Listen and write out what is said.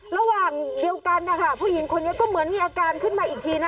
ระหว่างเดียวกันนะคะผู้หญิงคนนี้ก็เหมือนมีอาการขึ้นมาอีกทีนะ